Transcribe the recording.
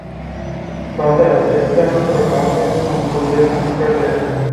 Toate acestea, probabil, cu un buget în scădere.